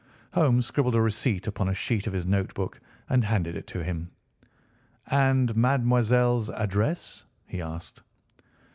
Holmes scribbled a receipt upon a sheet of his note book and handed it to him. "And Mademoiselle's address?" he asked.